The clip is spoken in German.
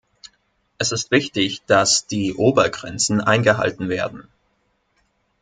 Es ist wichtig, dass die Obergrenzen eingehalten werden.